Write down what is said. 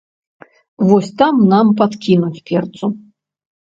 Вось там нам падкінуць перцу.